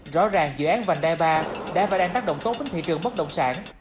rõ ràng dự án vành đai ba đã và đang tác động tốt đến thị trường bất động sản